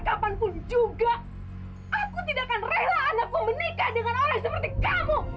kapanpun juga aku tidak akan rela anakku menikah dengan orang seperti kamu